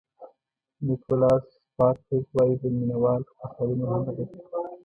نیکولاس سپارکز وایي د مینه وال خوشالي مهمه ده.